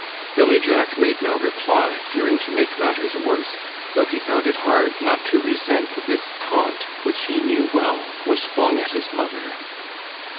Billy Jack made no reply, fearing to make matters worse, though he found it hard not to resent this taunt, which he knew well was flung at his mother.